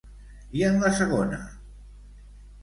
I en la segona?